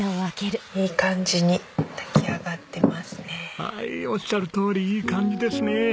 はいおっしゃるとおりいい感じですね。